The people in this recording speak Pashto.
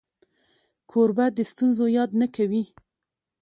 کوربه د ستونزو یاد نه کوي.